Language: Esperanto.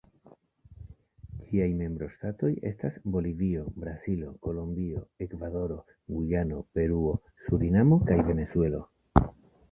Ĝiaj membroŝtatoj estas Bolivio, Brazilo, Kolombio, Ekvadoro, Gujano, Peruo, Surinamo kaj Venezuelo.